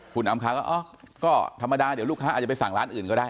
คุณอำค้าก็อ๋อก็ธรรมดาเดี๋ยวลูกค้าอาจจะไปสั่งร้านอื่นก็ได้